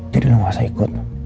jadi lo gak usah ikut